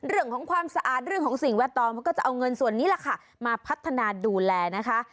เรื่องของความสะอาดเรื่องของสิ่งแวดล้อมเขาก็จะเอาเงินส่วนนี้แหละค่ะมาพัฒนาดูแลนะคะ